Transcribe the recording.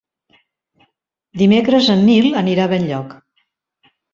Dimecres en Nil anirà a Benlloc.